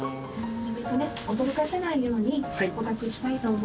驚かせないように捕獲したいと思います。